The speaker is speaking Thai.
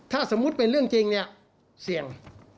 ถ้าสมมุติเป็นเรื่องจริงเนี่ยเสี่ยง